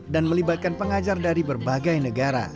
dan melibatkan pengajar dari berbagai negara